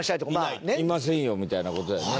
「いませんよ」みたいな事だよね。